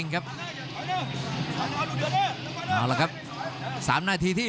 รับทราบบรรดาศักดิ์